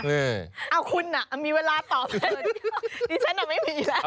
เอาคุณอ่ะมีเวลาตอบแทนดิฉันอ่ะไม่มีแล้ว